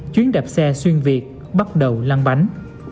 chuyến đạp xe xuyên việt bắt đầu lan bánh